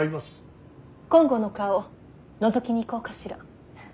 金剛の顔のぞきに行こうかしら。